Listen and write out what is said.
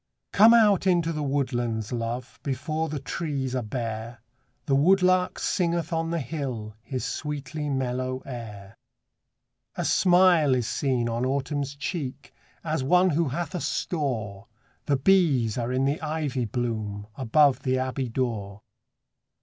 COME out into the woodlands, love, Before the trees are bare ; The woodlark singeth on the hill His sweetly mellow air. A smile is seen on Autumn's cheek, As one who hath a store ; The bees are in the ivy bloom, Above the abbey door.